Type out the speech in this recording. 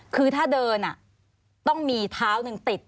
คือถ้าเดินต้องมีเท้าหนึ่งติด